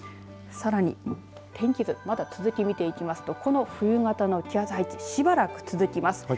さらに天気図、まだ続き見ていきますとこの冬型の気圧配置しばらく続きます。